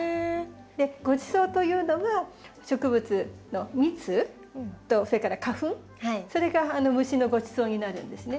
ごちそうというのが植物の蜜とそれから花粉それが虫のごちそうになるんですね。